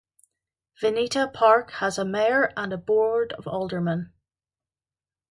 Vinita Park has a Mayor and a Board of Aldermen.